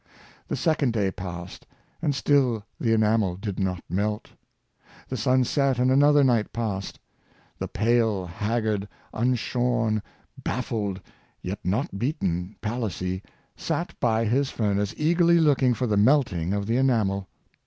The second day passed, and still the enamel did not melt. The sun set and another night passed. The pale, hag gard, unshorn, baffled, yet not beaten Palissy sat by his furnace eagerly looking for the melting of the ena mel.